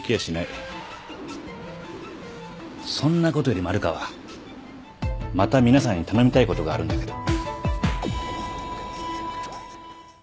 そんなことより丸川また皆さんに頼みたいことがあるんだけど。